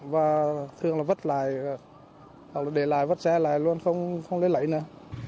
và thường là vất lại hoặc là để lại vất xe lại luôn không lấy lấy nữa